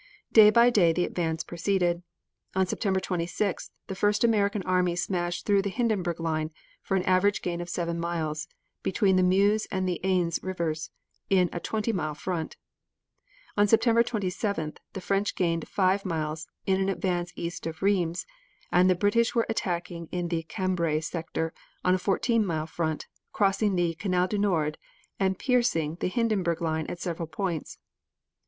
Day by day the advance proceeded. On September 26th, the first American army smashed through the Hindenburg line for an average gain of seven miles, between the Meuse and the Aisne rivers on a twenty mile front. On September 27th, the French gained five miles in an advance east of Rheims, and the British were attacking in the Cambrai sector on a fourteen mile front, crossing the Canal du Nord and piercing the Hindenburg line at several points.